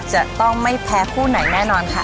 จะต้องไม่แพ้คู่ไหนแน่นอนค่ะ